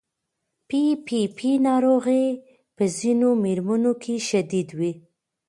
پي پي پي ناروغي په ځینو مېرمنو کې شدید وي.